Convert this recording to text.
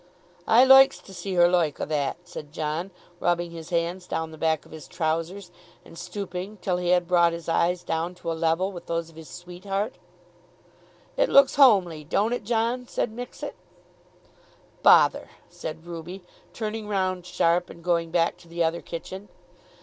"I loiks to see her loik o' that," said John rubbing his hands down the back of his trowsers, and stooping till he had brought his eyes down to a level with those of his sweetheart. [Illlustration: "I loiks to see her loik o' that."] "It looks homely; don't it, John?" said Mixet. "Bother!" said Ruby, turning round sharp, and going back to the other kitchen.